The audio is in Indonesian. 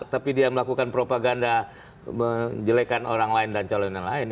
tapi dia melakukan propaganda menjelekan orang lain dan calon yang lain